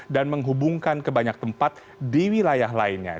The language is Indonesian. dan menghubungkan ke banyak tempat di wilayah lainnya